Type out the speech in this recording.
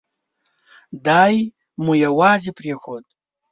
دای مو یوازې پرېښود.